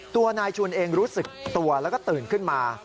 ตัวนายชุนเองรู้สึกตัวแล้วก็ตื่นขึ้นมา